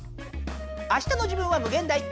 あしたの自分は無限大！